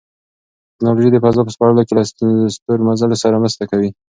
تکنالوژي د فضا په سپړلو کې له ستورمزلو سره مرسته کوي.